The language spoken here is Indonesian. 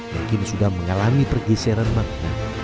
yang kini sudah mengalami pergeseran makna